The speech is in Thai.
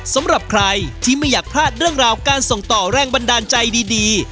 สำหรับใครที่ไม่อยากพลาดเรื่องราวการส่งต่อแรงบันดาลใจดี